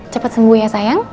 cepet sembuh ya sayang